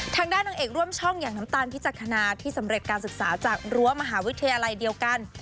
ทางด้านนางเอกร่วมช่องอย่างน้ำตาลพิจักษณาที่สำเร็จการศึกษาจากรั้วมหาวิทยาลัยเดียวกัน